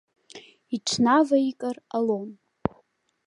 Иҽнаваикыр ҟалон.